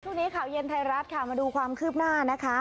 ช่วงนี้ข่าวเย็นไทยรัฐค่ะมาดูความคืบหน้านะคะ